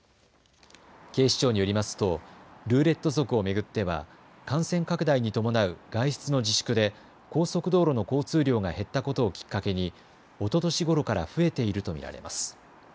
警視庁によりますとルーレット族を巡っては感染拡大に伴う外出の自粛で高速道路の交通量が減ったことをきっかけにおととしごろから増えていると見られます。